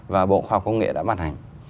và bộ khoa học công nghệ đã bàn hành